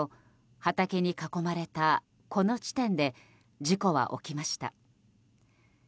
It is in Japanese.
畑に囲まれた、この地点で事故は起きました。